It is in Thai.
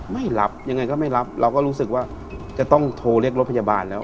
ไม่รับยังไงก็ไม่รับเราก็รู้สึกว่าจะต้องโทรเรียกรถพยาบาลแล้ว